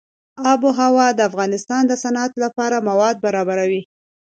آب وهوا د افغانستان د صنعت لپاره مواد برابروي.